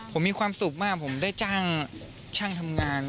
ผมมีความสุขมากผมได้จ้างช่างทำงาน